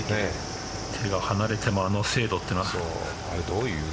手が離れてもあの精度というのは。